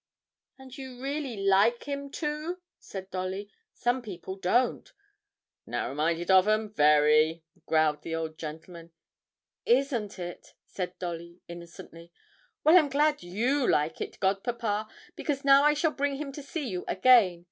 'And you really like him to?' said Dolly. 'Some people don't.' 'Narrow minded of 'em, very,' growled the old gentleman. 'Isn't it?' said Dolly, innocently. 'Well, I'm glad you like it, godpapa, because now I shall bring him to see you again.